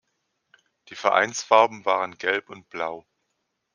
Die Vereinsfarben waren gelb und blau.